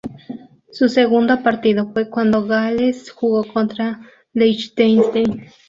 Su segundo partido fue cuándo Gales jugo contra Liechtenstein.